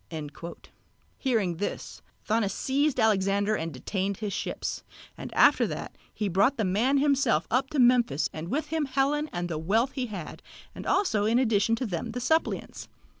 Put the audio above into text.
Hearing this, Thonis seized Alexander and detained his ships, and after that he brought the man himself up to Memphis and with him Helen and the wealth he had, and also in addition to them the suppliants.